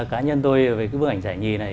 cá nhân tôi về cái bức ảnh giải nhì này